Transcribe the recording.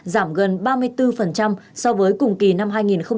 giảm gần ba mươi bốn so với cùng kỳ năm hai nghìn hai mươi